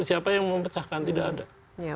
siapa yang memecahkan tidak ada